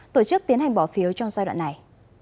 tổ chức tiến hành bỏ phiếu trong giai đoạn này